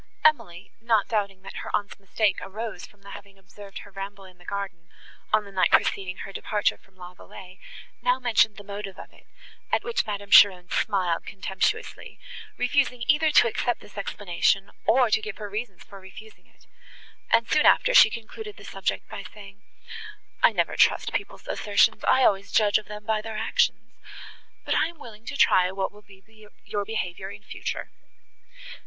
Emily, not doubting that her aunt's mistake arose from the having observed her ramble in the garden on the night preceding her departure from La Vallée, now mentioned the motive of it, at which Madame Cheron smiled contemptuously, refusing either to accept this explanation, or to give her reasons for refusing it; and, soon after, she concluded the subject by saying, "I never trust people's assertions, I always judge of them by their actions; but I am willing to try what will be your behaviour in future."